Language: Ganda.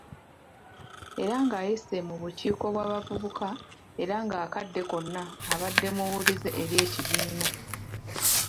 Era ng'ayise mu bukiiko bw’abavubuka era ng'akadde konna abadde muwulize eri ekibiina.